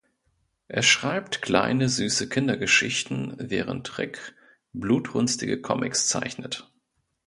Er schreibt kleine süße Kindergeschichten, während Rick blutrünstige Comics zeichnet.